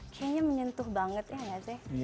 kayaknya menyentuh banget ya gak sih